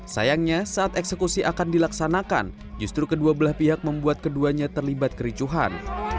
sayangnya saat eksekusi akan dilaksanakan justru kedua belah pihak membuat keduanya terlibat kericuhan